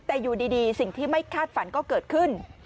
แต่อยู่ดีสิ่งที่ไม่คาดฝันก็เกิดขึ้น